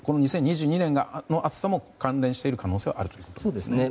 この２０２２年の暑さも関連している可能性はあるということですね。